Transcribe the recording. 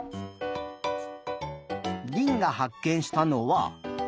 りんがはっけんしたのは。